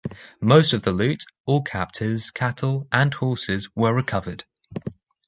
Most of loot, all captives, cattle and horses were recovered.